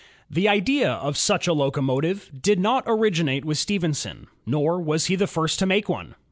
The idea of such a locomotive did not originate with Stephenson, nor was he the first to make one.